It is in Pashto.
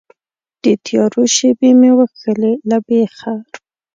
د تیارو شیبې مې وکښلې له بیخه